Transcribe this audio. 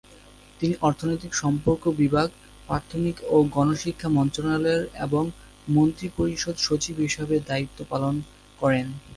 তিনি অর্থনৈতিক সম্পর্ক বিভাগ, প্রাথমিক ও গণশিক্ষা মন্ত্রণালয়ের এবং মন্ত্রিপরিষদ সচিব হিসেবে দায়িত্ব পালন করেন।